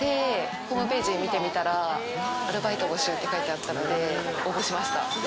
ホームページを見てみたらアルバイト募集って書いてあったので応募しました。